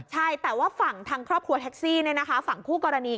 ใช่แต่ว่าฝั่งทางครอบครัวแท็กซี่ฝั่งคู่กรณี